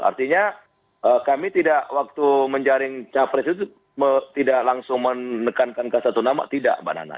artinya kami tidak waktu menjaring capres itu tidak langsung menekankan ke satu nama tidak mbak nana